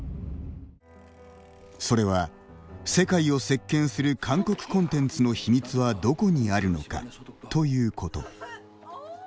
それは、世界を席けんする韓国コンテンツの秘密はどこにあるのか、ということ。